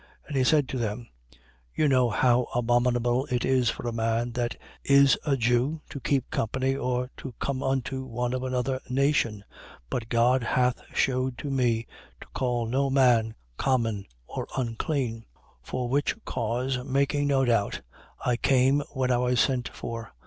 10:28. And he said to them: you know how abominable it is for a man that is a Jew to keep company or to come unto one of another nation: but God hath shewed to me, to call no man common or unclean. 10:29. For which cause, making no doubt, I came when I was sent for.